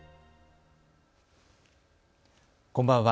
こんばんは。